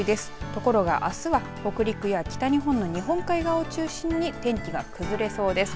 ところが、あすは北陸や北日本の日本海側を中心に天気が崩れそうです。